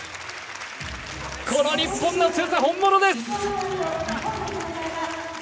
この日本の強さ、本物です！